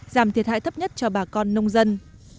giảm thiệt hại thấp nhất cho bà con nông dân